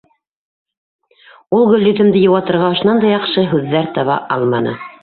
— Ул Гөлйөҙөмдө йыуатырға ошонан да яҡшы һүҙҙәр таба алманы.